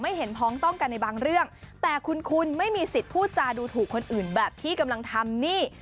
เห็นพ้องต้องกันในบางเรื่องแต่คุณคุณไม่มีสิทธิ์พูดจาดูถูกคนอื่นแบบที่กำลังทำนี่